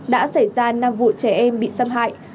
đã xảy ra năm vụ trẻ em bị xâm hại